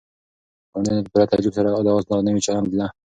ګاونډیانو په پوره تعجب سره د آس دا نوی چلند لیده.